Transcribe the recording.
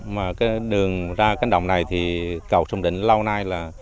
mà cái đường ra cánh đồng này thì cầu sông định lâu nay là